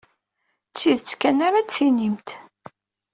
D tidet kan ara d-tinimt.